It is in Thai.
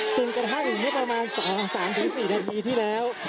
จึงกระทั่งเมื่อประมาณสองสามถึงสี่นาทีที่แล้ว